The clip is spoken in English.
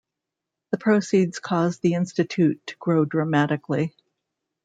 The proceeds caused the institute to grow dramatically.